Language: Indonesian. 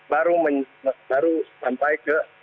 baru sampai ke